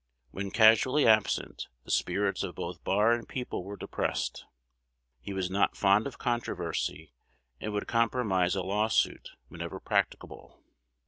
When casually absent, the spirits of both bar and people were depressed. He was not fond of controversy, and would compromise a lawsuit whenever practicable."